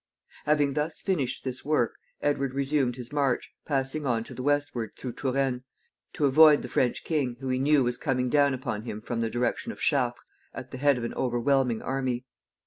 Having thus finished this work, Edward resumed his march, passing on to the westward through Touraine, to avoid the French king, who he knew was coming down upon him from the direction of Chartres at the head of an overwhelming army.